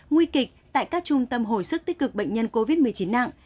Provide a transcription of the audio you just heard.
nguy kịch tại các trung tâm hồi sức tích cực bệnh nhân covid một mươi chín nặng